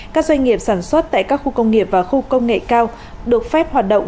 các doanh nghiệp sản xuất tại các khu công nghiệp và khu công nghệ cao được phép hoạt động